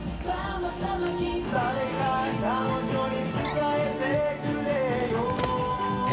「誰か彼女に伝えてくれよ」